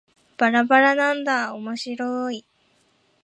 ばらばらなんだーおもしろーい